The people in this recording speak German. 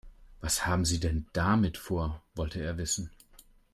"Was haben Sie denn damit vor?", wollte er wissen.